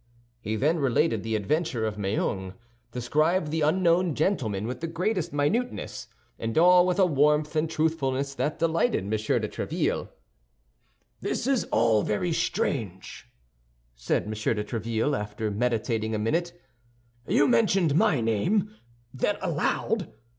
He then related the adventure of Meung, described the unknown gentleman with the greatest minuteness, and all with a warmth and truthfulness that delighted M. de Tréville. "This is all very strange," said M. de Tréville, after meditating a minute; "you mentioned my name, then, aloud?"